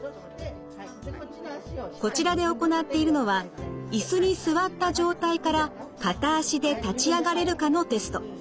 こちらで行っているのは椅子に座った状態から片足で立ち上がれるかのテスト。